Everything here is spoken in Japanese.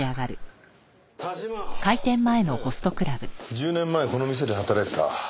１０年前この店で働いてた。